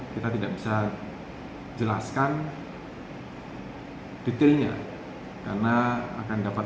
tentunya keselamatan pilot ini adalah